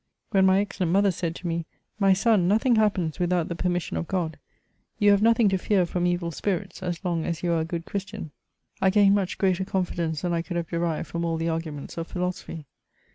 When my excellent mother said to me, " My son, nothing happens without the permission of God ; you have nothing to fear from evil spirits, as long as you are a good christian," I gained much greater confidence than I could have derived from all the arguments of philosophy.